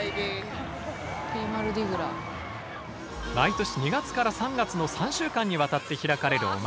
毎年２月から３月の３週間にわたって開かれるお祭り。